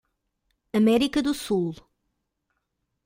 América do Sul.